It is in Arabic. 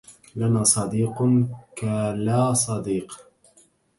لنا صديق كلا صديق